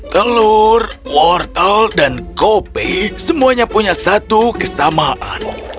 telur wortel dan kopi semuanya punya satu kesamaan